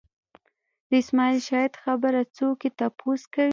د اسماعیل شاهد خبره څوک یې تپوس کوي